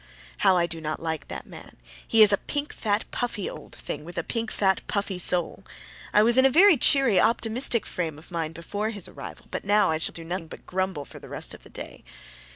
How I do not like that man! He is a pink, fat, puffy old thing, with a pink, fat, puffy soul. I was in a very cheery, optimistic frame of mind before his arrival, but now I shall do nothing but grumble for the rest of the day.